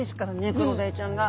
クロダイちゃんが。